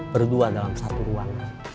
berdua dalam satu ruang